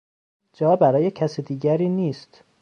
جا برای کس دیگری نیست.